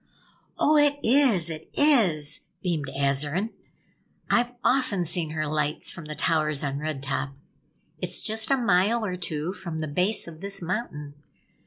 "Oh, it is! It is!" beamed Azarine. "I've often seen her lights, from the towers on Red Top. It's just a mile or two from the base of this mountain.